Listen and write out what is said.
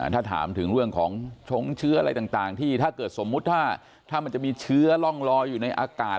ถ้าถามถึงเรื่องของชงเชื้ออะไรต่างที่ถ้าเกิดสมมุติถ้ามันจะมีเชื้อร่องลอยอยู่ในอากาศ